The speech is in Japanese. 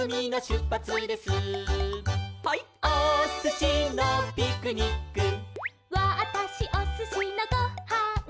「おすしのピクニック」「わたしおすしのご・は・ん」